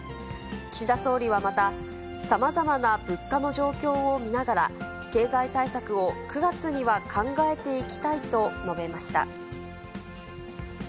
岸田総理はまた、さまざまな物価の状況を見ながら、経済対策を９月には考えていきたいと述べました。